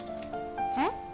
えっ？